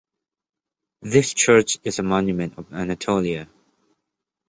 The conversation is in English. This church is a monument of Anatolia.